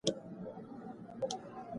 آیا ته د انټرنیټ په ګټو پوهېږې؟